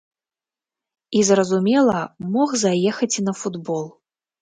І, зразумела, мог заехаць на футбол.